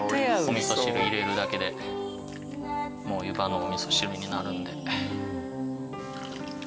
お味噌汁入れるだけでもう湯葉のお味噌汁になるんで。